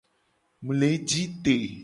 Mu le ji te.